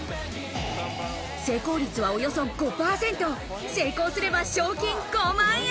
成功率はおよそ５％、成功すれば賞金５万円。